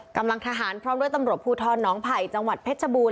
กำลังทหารพร้อมด้วยตำรวจภูทรน้องไผ่จังหวัดเพชรบูร